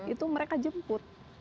itu mereka jemput